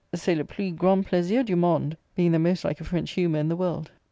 c'est le plus grand plaisir du monde," being the most like a French humour in the world.